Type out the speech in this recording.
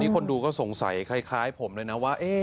คนดูก็สงสัยคล้ายผมเลยนะว่า